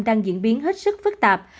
đang diễn biến hết sức phức tạp